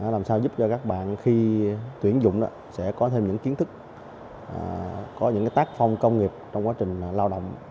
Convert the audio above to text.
làm sao giúp cho các bạn khi tuyển dụng sẽ có thêm những kiến thức có những tác phong công nghiệp trong quá trình lao động